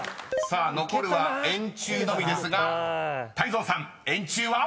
［さあ残るは円柱のみですが泰造さん円柱は？］